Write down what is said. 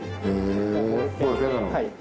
はい。